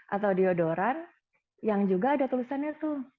atau deodoran yang juga ada tulisannya tuh